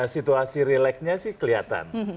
situasi relax nya sih kelihatan